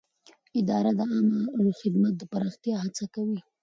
اداره د عامه خدمت د پراختیا هڅه کوي.